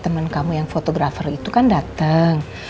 temen kamu yang fotografer itu kan dateng